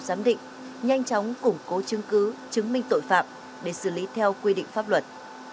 giám định nhanh chóng củng cố chứng cứ chứng minh tội phạm để xử lý theo quy định pháp luật